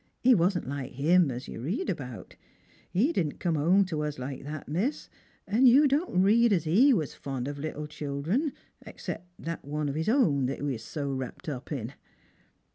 He wasn't like Him as you read about ; he didn't come home to us like that, miss, and you don't read as he was fond of little children, except that one of his own that be was so wrapt up in."